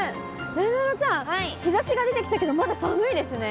なえなのちゃん、日ざしが出てきたけど、まだ寒いですね。